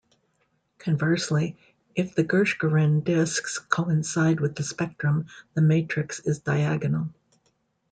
Conversely, if the Gershgorin discs coincide with the spectrum, the matrix is diagonal.